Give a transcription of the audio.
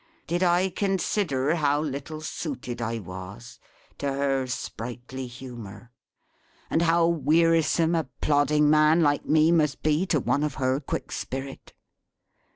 Did I consider how little suited I was to her sprightly humour, and how wearisome a plodding man like me must be, to one of her quick spirit?